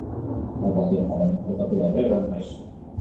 Lau partida jarraian jokatu gabe egon naiz.